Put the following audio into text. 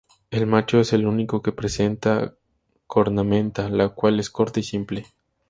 El macho es el único que presenta cornamenta, la cual es corta y simple.